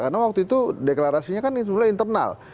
karena waktu itu deklarasinya kan sebenarnya internal